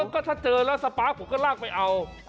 ก็ถ้าเจอแล้วสปาร์คผมก็ลากไปเอา